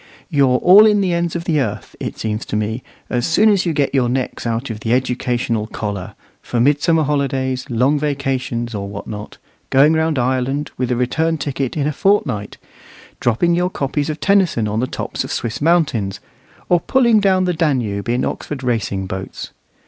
You're all in the ends of the earth, it seems to me, as soon as you get your necks out of the educational collar, for midsummer holidays, long vacations, or what not going round Ireland, with a return ticket, in a fortnight; dropping your copies of Tennyson on the tops of Swiss mountains; or pulling down the Danube in Oxford racing boats.